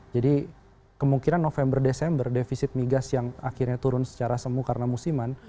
jadi kemungkinan november december defisit migas yang akhirnya turun secara semu karena musiman